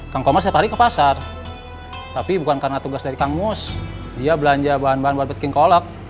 kang koma setiap hari ke pasar tapi bukan karena tugas dari kang mus dia belanja bahan bahan barbet king colok